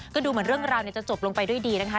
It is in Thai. ก็ดูเหมือนเรื่องราวจะจบลงไปด้วยดีนะคะ